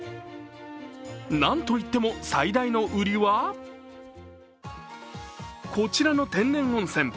なんといっても最大の売りは、こちらの天然温泉。